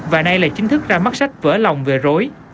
và nay lại chính thức ra mắt sách vỡ lòng về rối